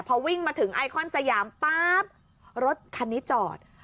พอวิ่งมาถึงไอคอนสยามปั๊บรถคันนี้จอด